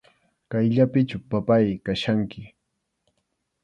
Kayllapichu, papáy, kachkanki.